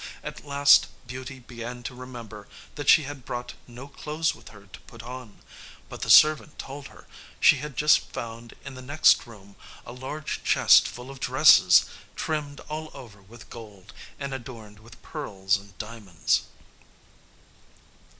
At last Beauty began to remember that she had brought no clothes with her to put on; but the servant told her she had just found in the next room a large chest full of dresses, trimmed all over with gold, and adorned with pearls and diamonds.